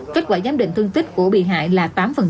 kết quả giám định thương tích của bị hại là tám